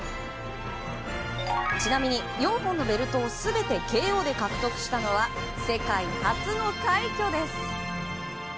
ちなみに、４本のベルトを全てＫＯで獲得したのは世界初の快挙です。